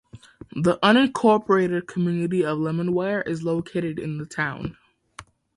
The unincorporated community of Lemonweir is located in the town.